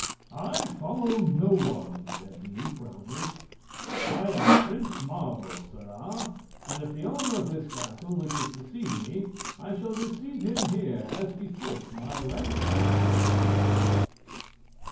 "I follow no one!" said he, proudly. "I am Prince Marvel, sirrah, and if the owner of this castle wishes to see me I shall receive him here, as befits my rank and station."